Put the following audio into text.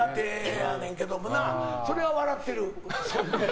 それは笑ってる。